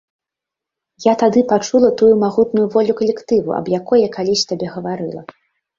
Я тады пачула тую магутную волю калектыву, аб якой я калісь табе гаварыла.